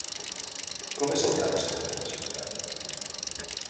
Com és el càncer en la gent gran?